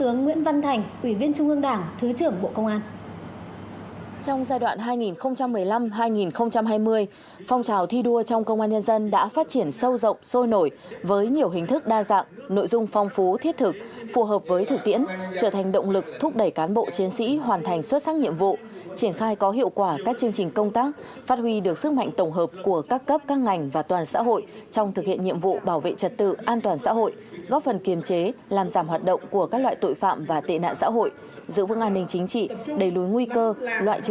năm hai nghìn một mươi năm hai nghìn hai mươi phong trào thi đua trong công an nhân dân đã phát triển sâu rộng sôi nổi với nhiều hình thức đa dạng nội dung phong phú thiết thực phù hợp với thực tiễn trở thành động lực thúc đẩy cán bộ chiến sĩ hoàn thành xuất sắc nhiệm vụ triển khai có hiệu quả các chương trình công tác phát huy được sức mạnh tổng hợp của các cấp các ngành và toàn xã hội trong thực hiện nhiệm vụ bảo vệ trật tự an toàn xã hội góp phần kiềm chế làm giảm hoạt động của các loại tội phạm và tệ nạn xã hội giữ vững an ninh chính trị